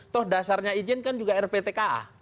toh dasarnya izin kan juga rptka